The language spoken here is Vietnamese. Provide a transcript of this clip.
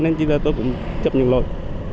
nên tôi cũng chấp nhận rồi